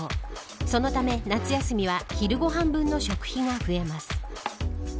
そのため、夏休みは昼ご飯分の食費が増えます。